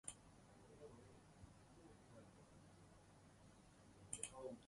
Danbor bakoitza zorte onari deitzeko txinatar idazkera ederrez apaindurik dago.